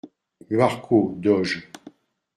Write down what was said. - Guarco, doge.